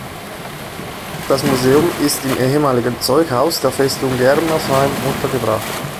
Das Museum ist im ehemaligen Zeughaus der Festung Germersheim untergebracht.